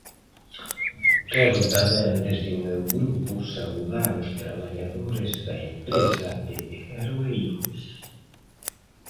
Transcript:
Quero tamén desde o meu grupo saudar os traballadores da empresa Pellejero e Hijos.